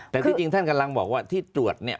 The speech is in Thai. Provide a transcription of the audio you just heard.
แต่ที่จริงท่านกำลังบอกว่าที่ตรวจเนี่ย